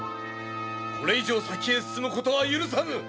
これ以上先へ進むことは許さぬ！